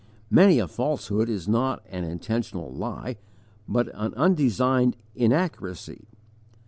Many a falsehood is not an intentional lie, but an undesigned inaccuracy.